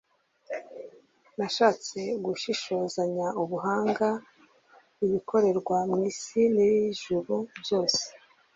nashatse gushishozanya ubuhanga ibikorerwa mu nsi y'ijuru byose